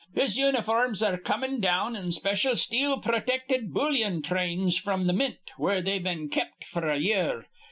His uniforms ar re comin' down in specyal steel protected bullyon trains fr'm th' mint, where they've been kept f'r a year.